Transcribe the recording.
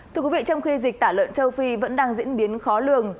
thưa quý vị trong khi dịch tả lợn châu phi vẫn đang diễn biến khó lường